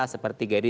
seperti gai dukuh